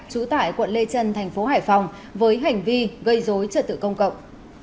trú tại quận lê trân tp hải phòng với hành vi gây dối trật tự công cộng